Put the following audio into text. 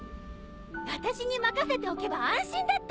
私に任せておけば安心だって！